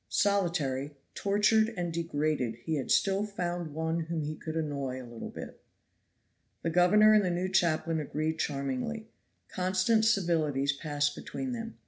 Solitary, tortured and degraded, he had still found one whom he could annoy a little bit. The governor and the new chaplain agreed charmingly; constant civilities passed between them.